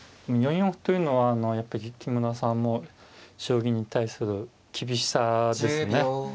４四歩というのはやっぱり木村さんも将棋に対する厳しさですね。